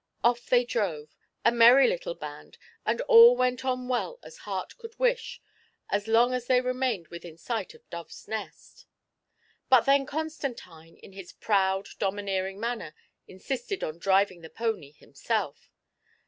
Off they drove, a merry little band, and all went on well as heart could wish as long as they remained within sight of Dove's Nest ; but then Constantine, in hia proud, domineeriDg manner, insisted on driving the pony him self.